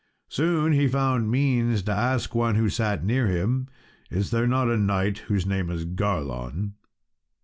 Soon he found means to ask one who sat near him, "Is there not here a knight whose name is Garlon?"